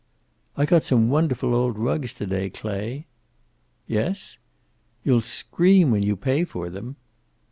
"I got some wonderful old rugs to day, Clay." "Yes?" "You'll scream when you pay for them."